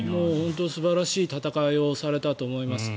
本当に素晴らしい戦いをされたと思います。